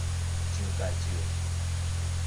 蔣介石